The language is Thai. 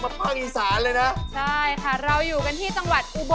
มันไม่ใช่รถตุ๊ก